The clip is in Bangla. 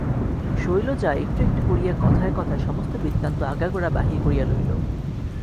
শৈলজা একটু একটু করিয়া কথায় কথায় সমস্ত বৃত্তান্ত আগাগোড়া বাহির করিয়া লইল।